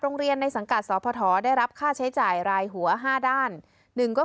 โรงเรียนในสังกัดสภทได้รับค่าใช้จ่ายรายหัว๕ด้าน๑ก็